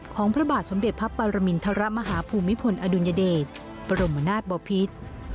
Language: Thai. ของพระบาทสมเด็จพระปรมินทรมาฮาภูมิพลอดุญเดชประโลมนาชบอภิษ